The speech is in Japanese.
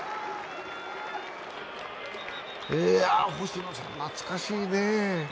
星野さん、懐かしいね。